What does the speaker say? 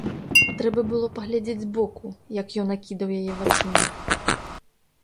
Трэба было паглядзець збоку, як ён акідаў яе вачыма!